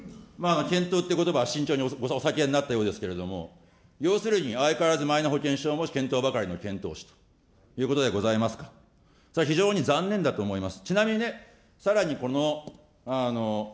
検討ってことばは慎重にお避けになったようですけれども、要するに相変わらずマイナ保険証は検討ばかりの検討使ということでございますと、それは非常に残念だと思います。